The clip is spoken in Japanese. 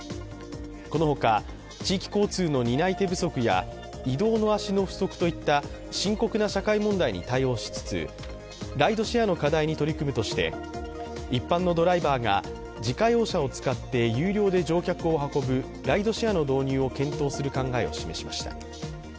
このほか、地域交通の担い手不足や移動の足の不足といった深刻な社会問題に対応しつつライドシェアの課題に取り組むとして一般のドライバーが自家用車を使って有料で乗客を運ぶライドシェアの導入を検討する考えを示しました。